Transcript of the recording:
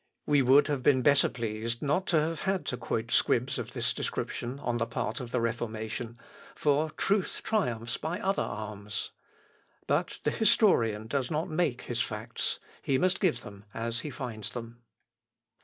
We would have been better pleased not to have had to quote squibs of this description on the part of the Reformation, for truth triumphs by other arms. But the historian does not make his facts. He must give them as he finds them.